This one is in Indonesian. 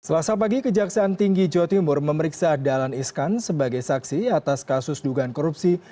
selasa pagi kejaksaan tinggi jawa timur memeriksa dalan iskan sebagai saksi atas kasus dugaan korupsi